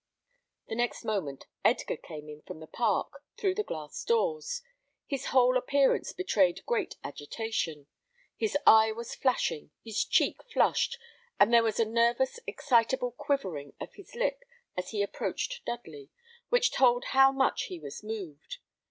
The next moment Edgar came in from the park, through the glass doors. His whole appearance betrayed great agitation. His eye was flashing, his cheek flushed, and there was a nervous, excitable quivering of his lip as he approached Dudley, which told how much he was moved.